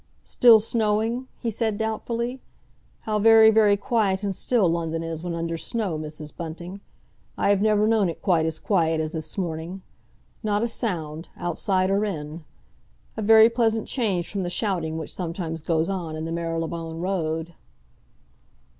"Still snowing?" he said doubtfully. "How very, very quiet and still London is when under snow, Mrs. Bunting. I have never known it quite as quiet as this morning. Not a sound, outside or in. A very pleasant change from the shouting which sometimes goes on in the Marylebone Road."